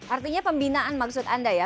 artinya pembinaan maksud anda ya